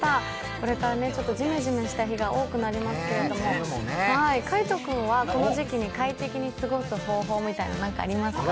これからちょっとジメジメした日が多くなりますけれども海音君は、この時期に快適に過ごす方法っていうのありますか？